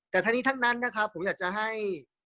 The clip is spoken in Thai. แต่ทั้งนี้ทั้งนั้นนะครับผมอยากจะให้